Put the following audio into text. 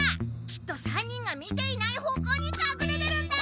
きっと３人が見ていない方向にかくれてるんだ！